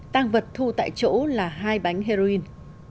tăng vật thu tại chỗ là hai bánh heroin